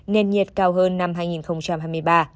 nền nhiệt cao hơn năm hai nghìn hai mươi ba